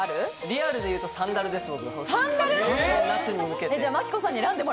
リアルでいうとサンダルです。